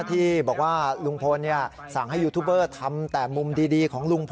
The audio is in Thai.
ที่บอกว่าลุงพลสั่งให้ยูทูบเบอร์ทำแต่มุมดีของลุงพล